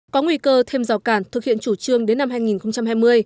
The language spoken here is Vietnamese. có nguy cơ thêm rào cản thực hiện chủ trương đến năm hai nghìn hai mươi